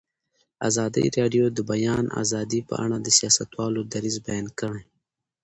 ازادي راډیو د د بیان آزادي په اړه د سیاستوالو دریځ بیان کړی.